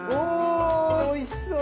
おおいしそう！